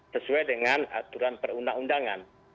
sesuai dengan aturan perundang undangan